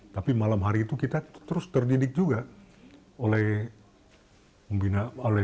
tapi malam hari itu kita terus terdidik juga oleh pembina